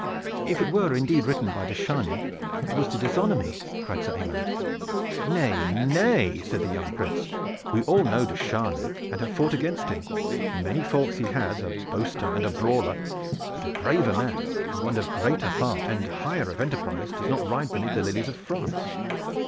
"If it were indeed written by de Chargny it was to dishonor me," cried Sir Aymery. "Nay, nay!" said the young Prince. "We all know de Chargny and have fought against him. Many faults he has, a boaster and a brawler, but a braver man and one of greater heart and higher of enterprise does not ride beneath the lilies of France.